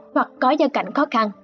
hoặc có gia cảnh khó khăn